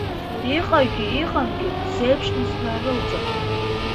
Иҟагьы иҟамгьы сзеиԥшны снарылҵып…